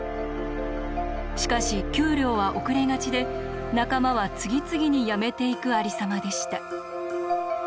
しかし給料は遅れがちで仲間は次々に辞めていくありさまでした。